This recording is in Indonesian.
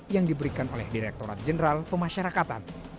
yang diberikan oleh direkturat jenderal pemasyarakatan